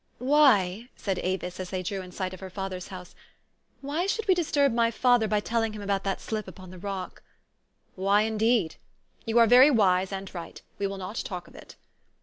"Why," said Avis as they drew in sight of her father's house, " why should we disturb my father loy telling him about that slip upon the rock ?'' "Why, indeed? You are very wise and right. We will not talk of it."